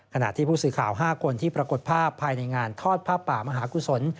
ขณะที่ผู้สื่อข่าว๕คนที่ปรากฏภาพภายในงานทอดผ้าป่ามหากุศล